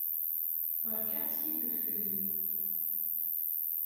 Beṛka askiddeb fell-i.